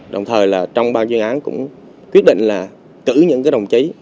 đồng thời là trong bàn duyên án cũng quyết định là cử những cái đồng chí